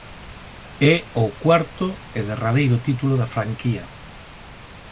É o cuarto e derradeiro título da franquía.